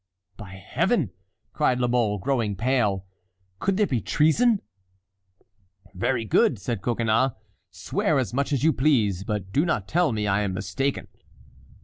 "By Heaven!" cried La Mole, growing pale, "could there be treason?" "Very good!" said Coconnas, "swear as much as you please, but do not tell me I am mistaken."